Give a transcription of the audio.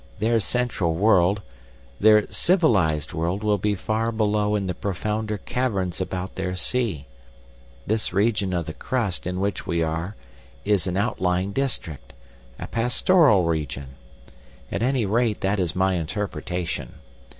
Their central world, their civilised world will be far below in the profounder caverns about their sea. This region of the crust in which we are is an outlying district, a pastoral region. At any rate, that is my interpretation.